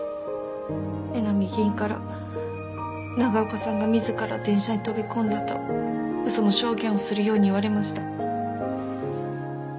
江波議員から長岡さんが自ら電車に飛び込んだと嘘の証言をするように言われました